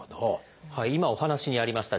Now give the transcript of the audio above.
今お話にありました